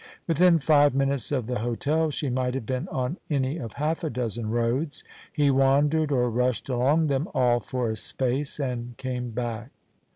Within five minutes of the hotel she might have been on any of half a dozen roads. He wandered or rushed along them all for a space, and came back.